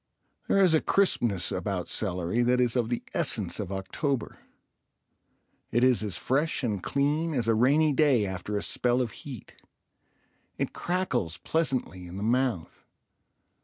There is a crispness about celery that is of the essence of October. It is as fresh and clean as a rainy day after a spell of heat. It crackles pleasantly in the mouth.